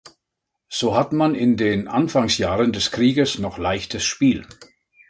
So hat man in den Anfangsjahren des Krieges noch leichtes Spiel.